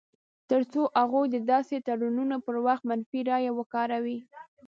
تر څو هغوی د داسې تړونونو پر وخت منفي رایه وکاروي.